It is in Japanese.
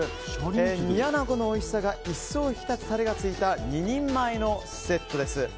煮穴子のおいしさが一層引き立つタレがついた２人前のセットです。